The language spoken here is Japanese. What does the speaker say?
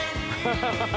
ハハハハ。